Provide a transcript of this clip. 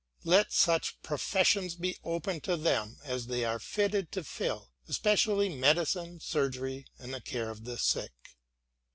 Let such professions be opened to them as they are fitted to fill, especially medicine, surgery, and the care of the sick.